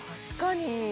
確かに！